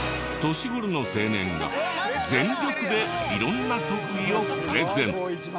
年頃の青年が全力で色んな特技をプレゼン。